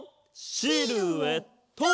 シルエット！